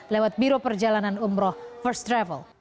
lewat biro perjalanan umroh first travel